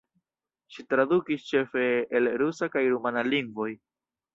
Ŝi tradukis ĉefe el rusa kaj rumana lingvoj.